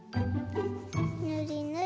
ぬりぬり。